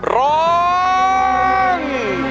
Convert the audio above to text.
ร้อง